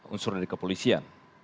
unsur dari kepolisian